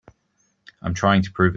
I'm trying to prove it.